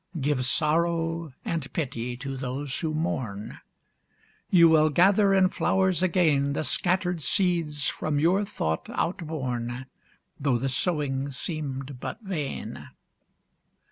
Give pity and sorrow to those who mourn; You will gather in flowers again The scattered seeds from your thought outborne, Though the sowing seemed in vain.